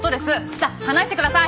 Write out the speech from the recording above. さあ話してください。